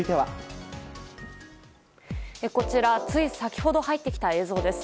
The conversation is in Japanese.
こちら、つい先ほど入ってきた映像です。